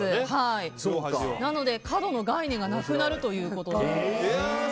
なので、角の概念がなくなるということで。